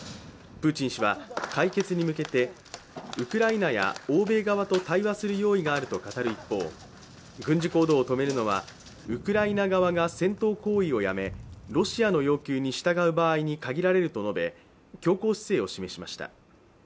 プーチン氏は解決に向けてウクライナや欧米側と対話する用意があると語る一方、軍事行動を止めるのはウクライナ側が戦闘行為をやめロシアの要求に従う場合に限られると述べ強硬姿勢を示しました。